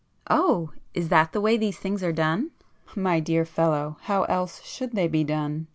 [p 66]"Oh, is that the way these things are done?" "My dear fellow, how else should they be done?"